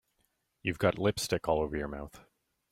You've got lipstick all over your mouth.